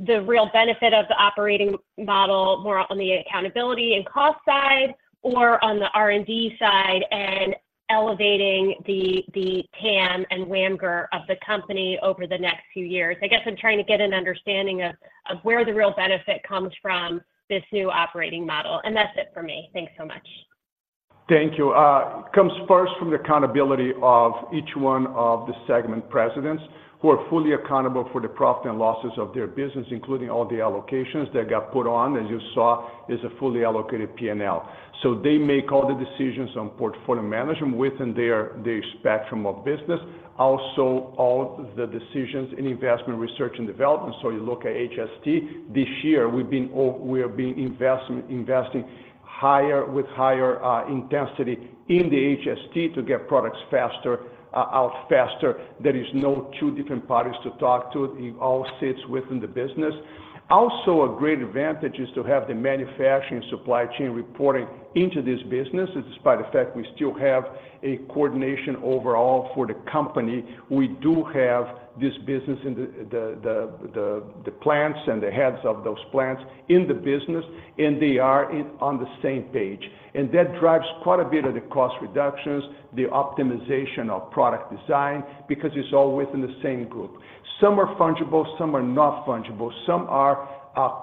the real benefit of the operating model more on the accountability and cost side, or on the R&D side and elevating the TAM and WAMGR of the company over the next few years? I guess I'm trying to get an understanding of where the real benefit comes from this new operating model. That's it for me. Thanks so much. Thank you. It comes first from the accountability of each one of the segment presidents, who are fully accountable for the profit and losses of their business, including all the allocations that got put on. As you saw, it's a fully allocated PNL. So they make all the decisions on portfolio management within their, their spectrum of business. Also, all the decisions in investment research and development. So you look at HST, this year, we've been o- we have been investment- investing higher- with higher intensity in the HST to get products faster out faster. There is no two different parties to talk to. It all sits within the business. Also, a great advantage is to have the manufacturing supply chain reporting into this business. Despite the fact we still have a coordination overall for the company, we do have this business in the plants and the heads of those plants in the business, and they are in on the same page. That drives quite a bit of the cost reductions, the optimization of product design, because it's all within the same group. Some are fungible, some are not fungible, some are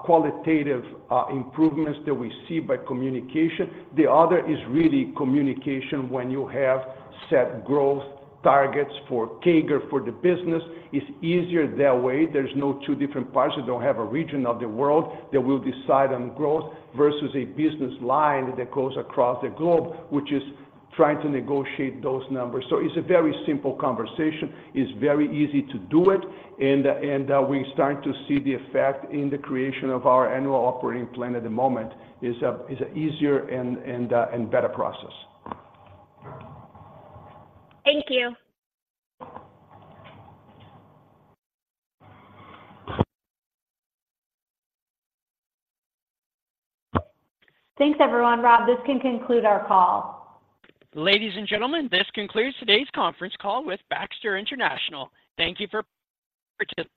qualitative improvements that we see by communication. The other is really communication when you have set growth targets for CAGR for the business. It's easier that way. There's no two different parts. You don't have a region of the world that will decide on growth versus a business line that goes across the globe, which is trying to negotiate those numbers. So it's a very simple conversation. It's very easy to do it, and we're starting to see the effect in the creation of our annual operating plan at the moment. It's an easier and better process. Thank you. Thanks, everyone. Rob, this can conclude our call. Ladies and gentlemen, this concludes today's conference call with Baxter International. Thank you for participating.